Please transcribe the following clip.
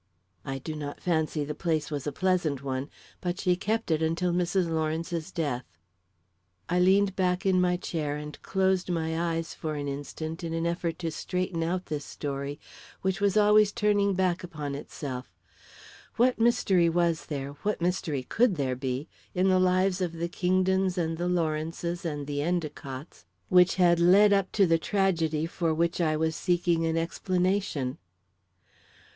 I do not fancy the place was a pleasant one, but she kept it until Mrs. Lawrence's death." I leaned back in my chair and closed my eyes for an instant in the effort to straighten out this story, which was always turning back upon itself. What mystery was there what mystery could there be in the lives of the Kingdons and the Lawrences and the Endicotts, which had led up to the tragedy for which I was seeking an explanation?